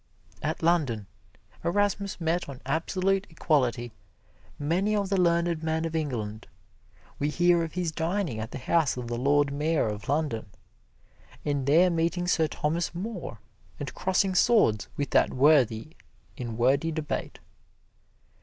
At London, Erasmus met on absolute equality many of the learned men of England. We hear of his dining at the house of the Lord Mayor of London, and there meeting Sir Thomas More and crossing swords with that worthy in wordy debate.